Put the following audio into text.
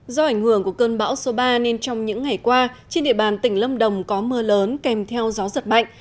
do ảnh hưởng của cơn bão số ba nên trong những ngày qua trên địa bàn tỉnh lâm đồng có mưa lớn kèm theo gió giật mạnh